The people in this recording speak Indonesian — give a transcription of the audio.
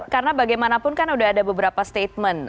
karena bagaimanapun kan sudah ada beberapa statement